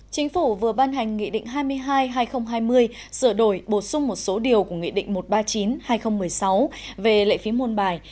chính phủ vừa ban hành nghị định hai mươi hai hai nghìn hai mươi sửa đổi bổ sung một số điều của nghị định một trăm ba mươi chín hai nghìn một mươi sáu về lệ phí môn bài